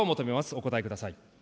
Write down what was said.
お答えください。